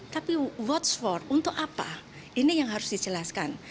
tapi what's for untuk apa ini yang harus dijelaskan